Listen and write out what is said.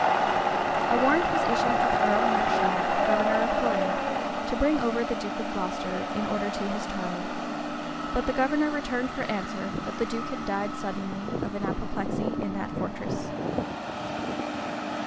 A warrant was issued to the earl mareschal, governor of Calais, to bring over the duke of Glocester, in order to his trial; but the governor returned for answer, that the duke had died suddenly of an apoplexy in that fortress.